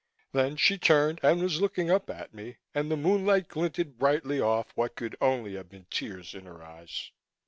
Then she turned and was looking up at me, and the moonlight glinted brightly off what could only have been tears in her eyes.